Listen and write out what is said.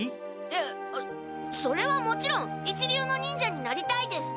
えっそれはもちろん一流の忍者になりたいです。